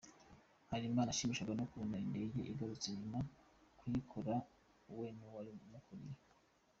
Harelimana yashimishwaga no kubona indege igurutse nyuma yo kuyikora we n’uwari umukuriye.